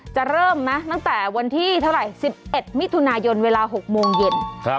จะเริ่มนะตั้งแต่วันที่เท่าไหร่๑๑มิถุนายนเวลา๖โมงเย็น